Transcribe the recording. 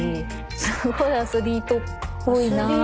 すごいアスリートっぽいなと。